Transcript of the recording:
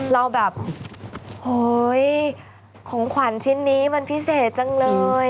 เราแบบเฮ้ยของขวัญชิ้นนี้มันพิเศษจังเลย